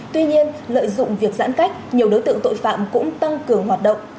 tuy nhiên lợi dụng việc giãn cách nhiều đối tượng tội phạm cũng tăng cường hoạt động